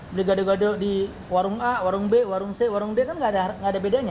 beli gado gado di warung a warung b warung c warung d kan nggak ada bedanya